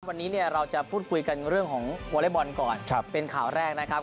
วันนี้เนี่ยเราจะพูดคุยกันเรื่องของวอเล็กบอลก่อนเป็นข่าวแรกนะครับ